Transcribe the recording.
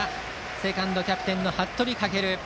セカンド、キャプテンの服部翔。